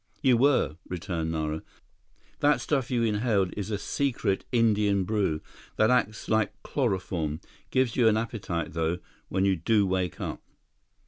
"You were," returned Nara. "That stuff you inhaled is a secret Indian brew that acts like chloroform. Gives you an appetite, though, when you do wake up."